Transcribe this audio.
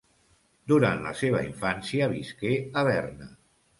Durant la seva infància visqué a Berna.